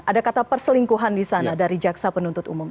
ada kata perselingkuhan di sana dari jaksa penuntut umum